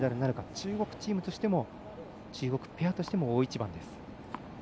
中国チームとしても中国ペアとしても大一番です。